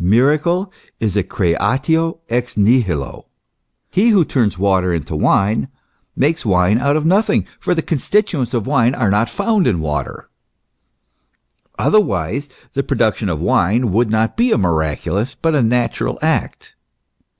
Miracle is a creatio ex nihilo. He who turns water into wine, makes wine out of nothing, for the constituents of wine are not found in water ; otherwise, the production of wine would not be a miraculous, but a natural act.